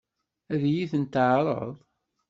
Ad iyi-ten-teɛṛeḍ?